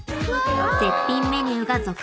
［絶品メニューが続々！